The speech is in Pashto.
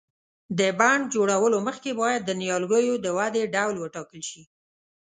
د بڼ جوړولو مخکې باید د نیالګیو د ودې ډول وټاکل شي.